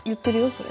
それ。